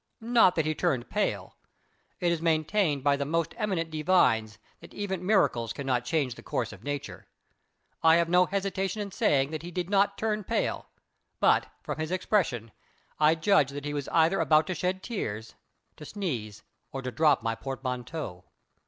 Not that he turned pale. It is maintained by the most eminent divines that even miracles cannot change the course of nature. I have no hesitation in saying that he did not turn pale; but, from his expression, I judged that he was either about to shed tears, to sneeze, or to drop my portmanteau.